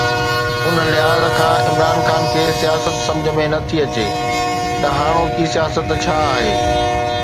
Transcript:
ان لحاظ کان عمران خان کي سياست سمجهه ۾ نه ٿي اچي ته هاڻوڪي سياست ڇا آهي؟